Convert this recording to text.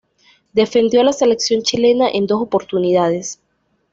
Defendió a la selección chilena en dos oportunidades.